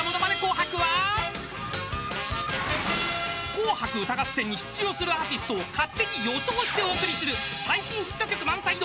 ［『紅白歌合戦』に出場するアーティストを勝手に予想してお送りする最新ヒット曲満載の予想